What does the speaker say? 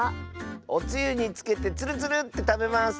おつゆにつけてツルツルッてたべます。